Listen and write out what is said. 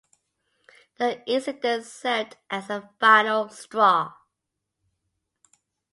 The incident served as the final straw.